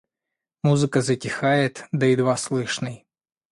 Музыка затихает до едва слышной.